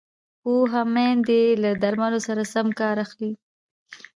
پوهه میندې له درملو سم کار اخلي۔